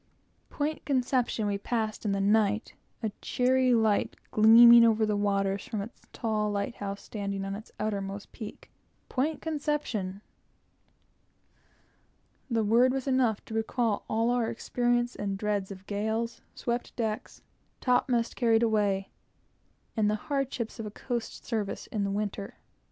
Point Conception we passed in the night, a cheery light gleaming over the waters from its tar light house, standing on its outermost peak. Point Conception! That word was enough to recall all our experiences and dreads of gales, swept decks, topmast carried away, and the hardships of a coast service in the winter.